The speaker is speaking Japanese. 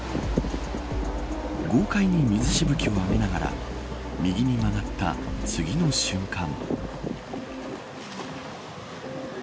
豪快に水しぶきを上げながら右に曲がった次の瞬間。